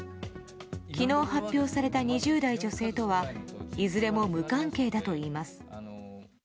昨日発表された２０代女性とはいずれも無関係だといいます。